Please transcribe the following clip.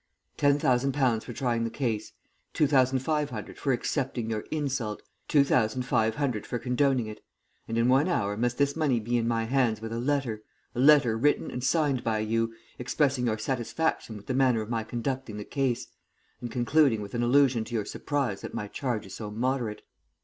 Ten thousand pounds for trying the case, two thousand five hundred for accepting your insult, two thousand five hundred for condoning it, and in one hour must this money be in my hands with a letter a letter written and signed by you, expressing your satisfaction with the manner of my conducting the case, and concluding with an allusion to your surprise that my charge is so moderate."